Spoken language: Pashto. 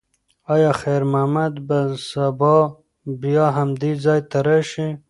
ایا خیر محمد به سبا بیا همدې ځای ته راشي؟